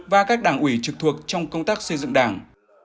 và các đảng ủy trực thuộc trong công tác xây dựng đảng